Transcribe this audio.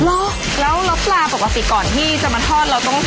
แล้วปลาปกปะซีก่อนที่จะมาทอด